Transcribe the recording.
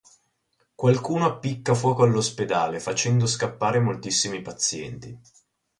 Qualcuno appicca fuoco all'ospedale, facendo scappare moltissimi pazienti.